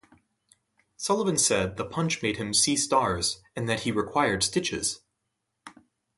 Sullivan said the punch made him "see stars" and that he required stitches.